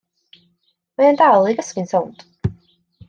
Mae e'n dal i gysgu'n sownd.